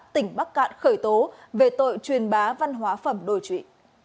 tỉnh bắc cạn khởi tố về tội truyền bá văn hóa phẩm đồi trụy